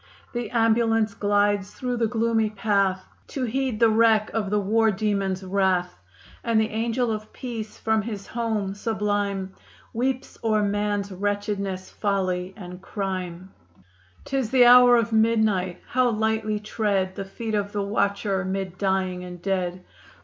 The ambulance glides through the gloomy path, To heed the wreck of the War Demon's wrath; And the Angel of Peace, from his home sublime, Weeps o'er man's wretchedness, folly and crime. II. 'Tis the hour of midnight. How lightly tread The feet of the watcher, 'mid dying and dead.